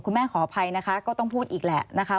คุณแม่ขออภัยนะคะก็ต้องพูดอีกแหละ